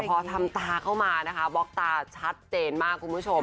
พอทำตาเข้ามานะคะบล็อกตาชัดเจนมากคุณผู้ชม